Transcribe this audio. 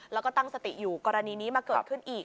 แล้วก็ตั้งสติอยู่กรณีนี้มาเกิดขึ้นอีก